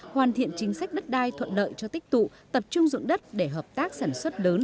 hoàn thiện chính sách đất đai thuận lợi cho tích tụ tập trung dụng đất để hợp tác sản xuất lớn